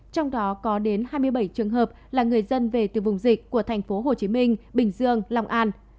trong đó có đến hai mươi bảy trường hợp là người dân về từ vùng dịch của thành phố hồ chí minh bình dương long an